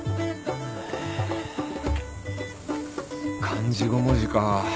漢字５文字か。